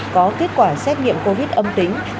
có kết quả xét nghiệm covid âm tính